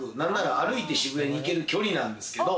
歩いて渋谷に行ける距離なんですけど。